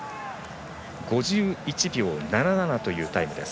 ５１秒７７というタイムです。